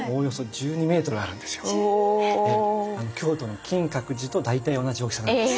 １２メートル⁉京都の金閣寺と大体同じ大きさなんです。